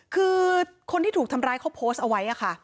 คือคนที่ถูกทำร้ายเขาโพสต์เอาไว้ค่ะ